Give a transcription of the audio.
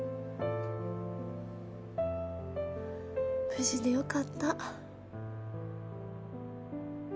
無事でよかった。